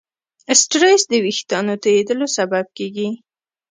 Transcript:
سټرېس د وېښتیانو تویېدلو سبب کېږي.